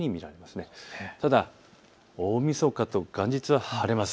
ただ大みそかと元日は晴れます。